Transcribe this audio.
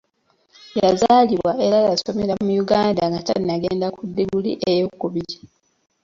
Yazaalibwa era yasomera mu Uganda nga tannagenda ku ddiguli eyokubiri.